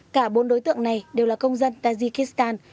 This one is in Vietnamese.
cả bốn đối tượng này đều là công dân tajikistan